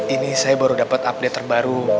ini saya baru dapat update terbaru